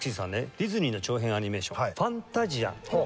ディズニーの長編アニメーション『ファンタジア』。